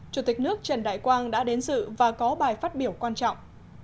chủ tịch nước trần đại quang đã đến dự và có bài phát biểu quan trọng